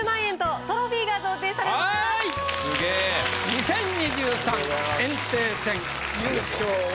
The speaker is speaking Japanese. ２０２３炎帝戦優勝は。